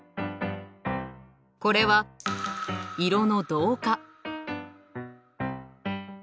これは色の同化。